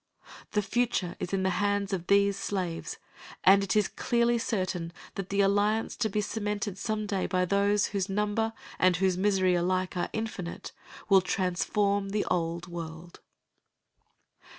The future is in the hands of these slaves, and it is clearly certain that the alliance to be cemented some day by those whose number and whose misery alike are infinite will transform the old world.